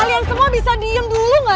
lalu dari mana